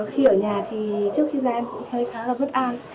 khi ở nhà thì trước khi ra em cũng thấy khá là bất an